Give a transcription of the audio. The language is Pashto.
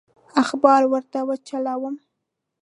اخبار ورته وچلوم.